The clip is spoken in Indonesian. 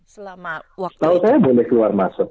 kalau saya boleh keluar masuk